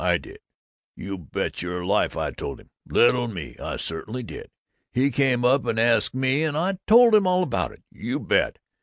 I did! You bet your life I told him! Little me! I certainly did! He came up and asked me, and I told him all about it! You bet!